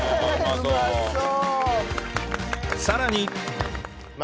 うまそう！